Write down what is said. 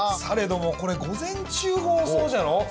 されどもこれ午前中放送じゃろ？